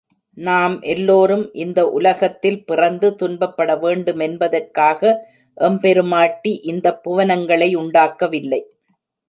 நாம் எல்லோரும் இந்த உலகத்தில் பிறந்து துன்பப்பட வேண்டுமென்பதற்காக எம்பெருமாட்டி இந்தப் புவனங்களை உண்டாக்கவில்லை.